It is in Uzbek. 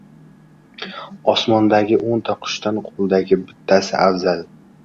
• Osmondagi o‘nta qushdan qo‘ldagi bittasi afzal.